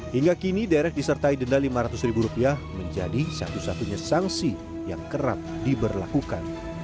hingga kini derek disertai denda lima ratus ribu rupiah menjadi satu satunya sanksi yang kerap diberlakukan